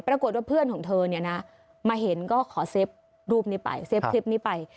ปรากฏว่าเพื่อนของเธอเนี่ยนะมาเห็นก็ขอเซฟรูปนี้ไปเซฟคลิปนี้ไป